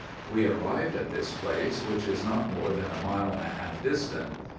We arrived at this place, which is not more than a mile and a half distant.